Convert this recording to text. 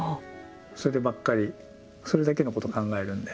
そればっかりそれだけのことを考えるんで。